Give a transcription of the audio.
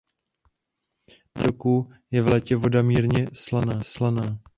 Na dolním toku je v létě voda mírně slaná.